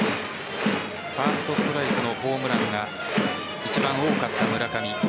ファーストストライクのホームランが一番多かった村上。